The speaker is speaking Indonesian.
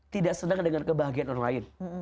tidak senang dengan kebahagiaan orang lain